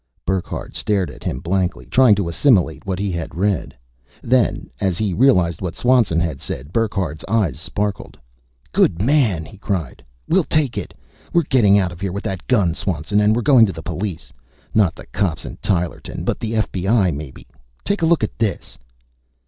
Burckhardt stared at him blankly, trying to assimilate what he had read. Then, as he realized what Swanson had said, Burckhardt's eyes sparked. "Good man!" he cried. "We'll take it. We're getting out of here with that gun, Swanson. And we're going to the police! Not the cops in Tylerton, but the F.B.I., maybe. Take a look at this!"